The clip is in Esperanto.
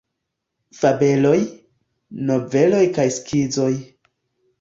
Fabeloj, Noveloj kaj Skizoj.